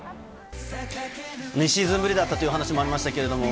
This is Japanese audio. ２シーズンぶりだったという話がありました。